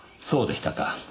そうでしたか。